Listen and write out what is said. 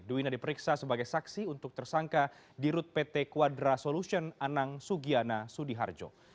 duwina diperiksa sebagai saksi untuk tersangka di rut pt quadra solution anang sugiana sudiharjo